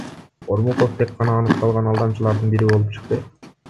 Ормуков тек гана аныкталган алдамчылардын бири болуп чыкты.